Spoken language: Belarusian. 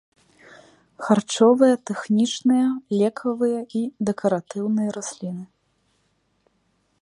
Харчовыя, тэхнічныя, лекавыя і дэкаратыўныя расліны.